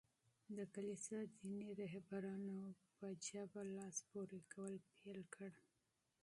د کلیسا دیني رهبرانو په ظلم لاس پوري کول پېل کړل.